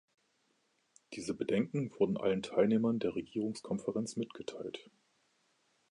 Diese Bedenken wurden allen Teilnehmern der Regierungskonferenz mitgeteilt.